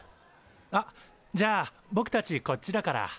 あっじゃあぼくたちこっちだから。